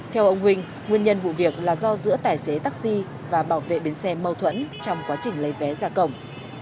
theo ông huỳnh nguyên nhân vụ việc là do giữa tài xế taxi và bảo vệ bến xe mâu thuẫn trong quá trình lấy vé ra cổng